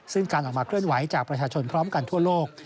ซึ่งการออกมาเคลื่อนไหวจากประชาชนพร้อมกันทั่วโลก